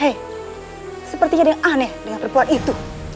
hey sepertinya dia aneh dengan perbuat itu